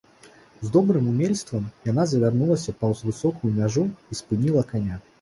З добрым умельствам яна завярнулася паўз высокую мяжу і спыніла каня.